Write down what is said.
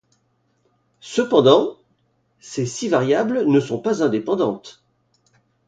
Cependant, ces six variables ne sont pas indépendantes.